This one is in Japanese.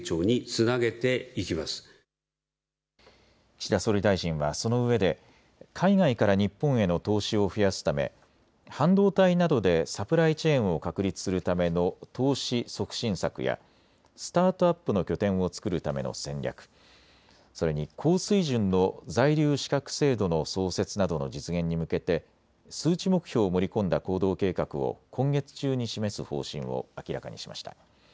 岸田総理大臣はそのうえで海外から日本への投資を増やすため半導体などでサプライチェーンを確立するための投資促進策やスタートアップの拠点を作るための戦略、それに高水準の在留資格制度の創設などの実現に向けて数値目標を盛り込んだ行動計画を今月中に示す方針を明らかにしました。